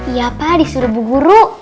iya pak disuruh bu guru